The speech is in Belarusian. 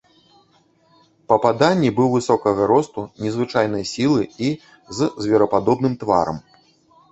Па паданні быў высокага росту, незвычайнай сілы і з зверападобным тварам.